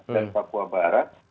dan papua barat